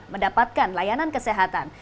mendapatkan layanan kesehatan